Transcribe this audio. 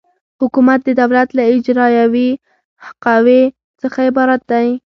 حکومت د دولت له اجرایوي قوې څخه عبارت دی.